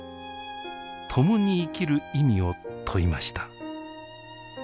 共に生きる意味を問いました。